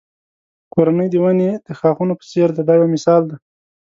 کورنۍ د ونې د ښاخونو په څېر ده دا یو مثال دی.